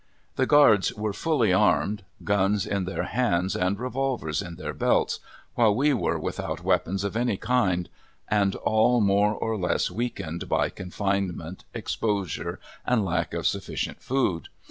The guards were fully armed guns in their hands and revolvers in their belts while we were without weapons of any kind, and all more or less weakened by confinement, exposure and lack of sufficient food.